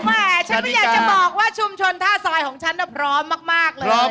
เออแมฉันไม่อยากจะบอกว่าชุมชนน่ะสร้างของฉันน่ะพร้อมมากเลย